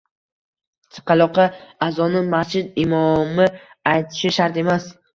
Chaqaloqqa azonni masjid imomi aytishi shart emas.